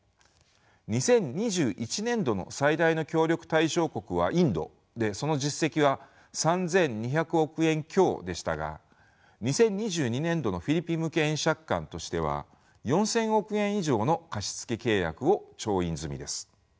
２０２１年度の最大の協力対象国はインドでその実績は３，２００億円強でしたが２０２２年度のフィリピン向け円借款としては４，０００億円以上の貸付契約を調印済みです。